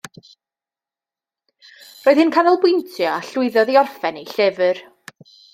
Roedd hi'n canolbwyntio, a llwyddodd i orffen ei llyfr